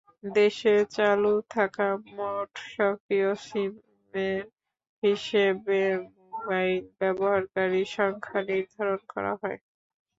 দেশে চালু থাকা মোট সক্রিয় সিমের হিসেবে মোবাইল ব্যবহারকারীর সংখ্যা নির্ধারণ করা হয়।